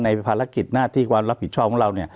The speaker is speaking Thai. ภารกิจหน้าที่ความรับผิดชอบของเรา